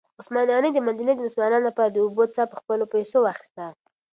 عثمان غني د مدینې د مسلمانانو لپاره د اوبو څاه په خپلو پیسو واخیسته.